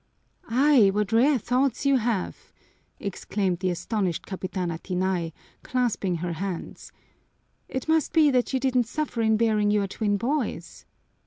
"Ay, what rare thoughts you have!" exclaimed the astonished Capitana Tinay, clasping her hands. "It must be that you didn't suffer in bearing your twin boys."